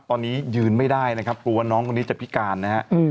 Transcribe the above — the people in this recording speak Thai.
ตอนนี้ยืนไม่ได้นะครับกลัวน้องคนนี้จะพิการนะฮะ